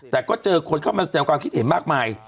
แต่ก็เจอคนเข้ามาแสดงความคิดเห็นมากมาย